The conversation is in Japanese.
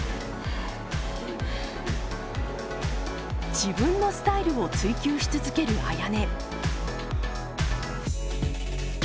自分のスタイルを追求し続けるＡＹＡＮＥ。